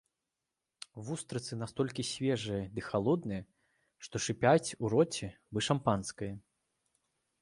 Вустрыцы настолькі свежыя ды халодныя, што шыпяць у роце, бы шампанскае.